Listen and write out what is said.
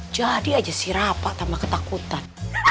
jadi aja sirapak tambah ketakutan